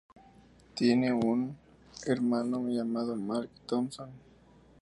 Tiene un hermano llamado, Mark Thompson.